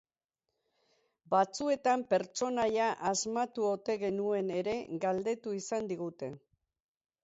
Batzuetan, pertsonaia asmatu ote genuen ere galdetu izan digute.